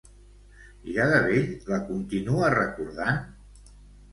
Ja de vell la continua recordant?